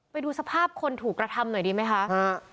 ไปดูสภาพคนถูกกระทำหน่อยดีไหมคะ